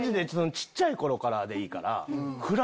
小っちゃい頃からでいいから。